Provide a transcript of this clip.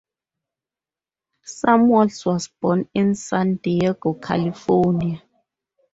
Samuels was born in San Diego, California.